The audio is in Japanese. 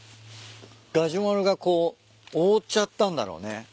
ガジュマルがこう覆っちゃったんだろうね。